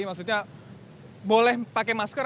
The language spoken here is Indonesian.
maksudnya boleh pakai masker